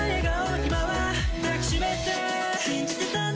今は抱きしめて信じてたんだ